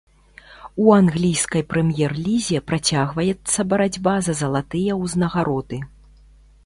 У англійскай прэм'ер-лізе працягваецца барацьба за залатыя ўзнагароды.